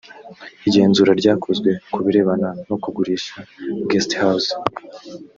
igenzura ryakozwe ku birebana no kugurisha guest house